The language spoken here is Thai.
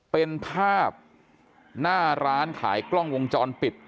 เป็นภาพหน้าร้านขายกล้องวงจรปิด